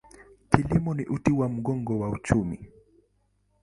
Kilimo ni uti wa mgongo wa uchumi.